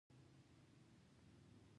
دا نه فضیلت دی او نه رذیلت.